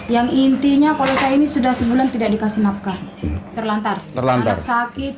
yang intinya kalau saya ini sudah sebulan tidak dikasih nafkah terlantar sakit